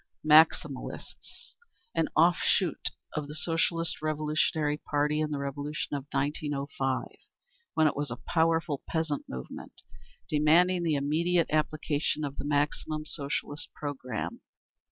b. Maximalists. An off shoot of the Socialist Revolutionary party in the Revolution of 1905, when it was a powerful peasant movement, demanding the immediate application of the maximum Socialist programme.